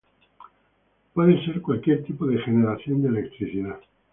Puede ser cualquier tipo de generación de electricidad.